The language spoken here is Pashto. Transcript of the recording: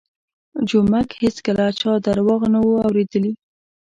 جومک هېڅکله چا درواغ نه وو اورېدلي.